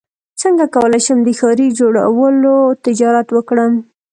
څنګه کولی شم د ښارۍ جوړولو تجارت وکړم